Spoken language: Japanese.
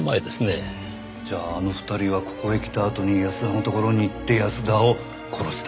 じゃああの２人はここへ来たあとに安田のところに行って安田を殺した？